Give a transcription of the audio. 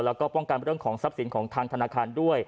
แล้วก็ป้องกันเรื่องของทรัพย์สินของทางธนาคารด้วย